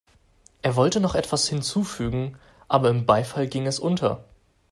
Er wollte noch etwas hinzufügen, aber im Beifall ging es unter.